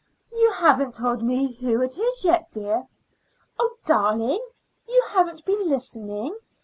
"You haven't told me who it is yet, dear." "Oh, darling, you haven't been listening.